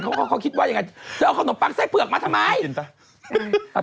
ก็ขอวะเค้าคิดว่าจะเอาขนมปังไส้เผื่อกมาทำไม